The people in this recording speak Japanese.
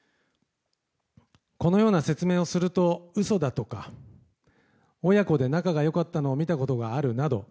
このような説明をすると嘘だとか親子で仲が良かったのを見たことがあるなど